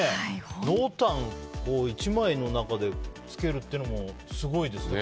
濃淡を１枚の中でつけるっていうのもすごいですね。